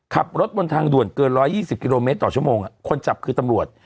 ขับรถบนทางด่วนเกิน๑๒๐กิโลเมตรต่อชั่วโมงคนจับคือตำรวจ